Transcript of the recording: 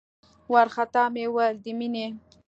وارخطا مې وويل د مينې.